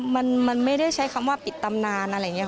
มันไม่ได้ใช้คำว่าปิดตำนานอะไรอย่างนี้